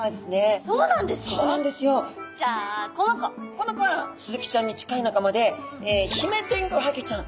この子はスズキちゃんに近い仲間でヒメテングハギちゃん。